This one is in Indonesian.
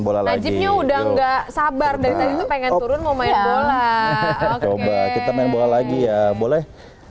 bola lagi udah nggak sabar dari pengen turun mau main bola kita main bola lagi ya boleh